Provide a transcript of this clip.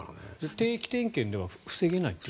定期点検では防げないという？